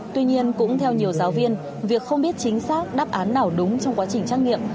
tuy nhiên cũng theo nhiều giáo viên việc không biết chính xác đáp án nào đúng trong quá trình trắc nghiệm